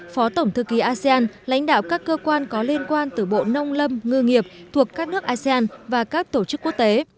phó tổng thư ký asean lãnh đạo các cơ quan có liên quan từ bộ nông lâm ngư nghiệp thuộc các nước asean và các tổ chức quốc tế